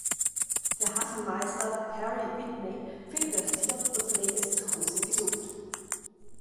Der Hafenmeister Harry Whitney findet das Tier und pflegt es zuhause gesund.